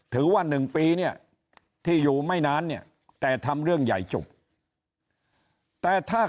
ถือว่า๑ปีเนี่ยที่อยู่ไม่นานเนี่ยแต่ทำเรื่องใหญ่จบแต่ถ้า